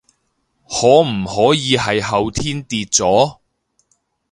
可唔可以係後天跌咗？